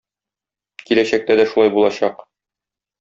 Киләчәктә дә шулай булачак.